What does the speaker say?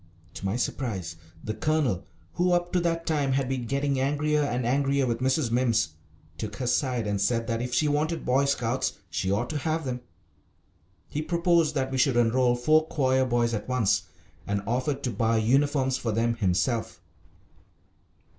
To my surprise the Colonel, who up to that time had been getting angrier and angrier with Mrs. Mimms, took her side and said that if she wanted Boy Scouts she ought to have them. He proposed that we should enrol four choir boys at once, and offered to buy uniforms for them himself.